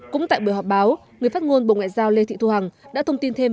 cũng tại buổi họp báo người phát ngôn bộ ngoại giao lê thị thu hằng đã thông tin thêm